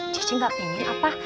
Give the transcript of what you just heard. cece nggak pengen apa